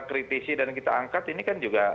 kritisi dan kita angkat ini kan juga